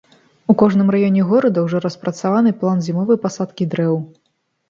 У кожным раёне горада ўжо распрацаваны план зімовай пасадкі дрэў.